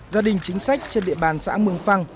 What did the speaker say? gia đình chính sách trên địa bàn xã mường phăng